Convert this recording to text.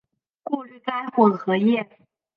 过滤该混合液。